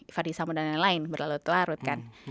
ivadisamo dan lain lain berlalu telarut kan